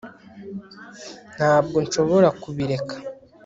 ntabwo nshobora kubireka